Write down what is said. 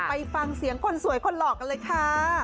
ไปฟังเสียงคนสวยคนหล่อกันเลยค่ะ